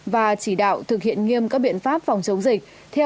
và chỉ đạo thực hiện nghiêm các biện pháp phòng chống dịch